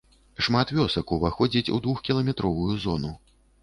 Шмат вёсак уваходзіць у двухкіламетровую зону.